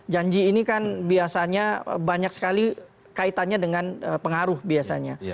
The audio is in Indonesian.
janji ini kan biasanya banyak sekali kaitannya dengan pengaruh biasanya